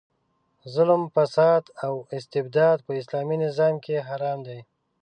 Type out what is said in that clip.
ظلم، فساد او استبداد په اسلامي نظام کې حرام دي.